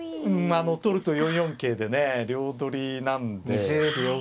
まあ取ると４四桂でね両取りなんで。